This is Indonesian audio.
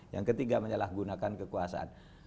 yang ketiga menyalahgunakan kekuasaan